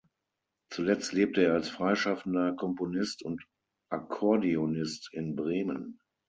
Zuletzt lebte er als freischaffender Komponist und Akkordeonist in Bremen.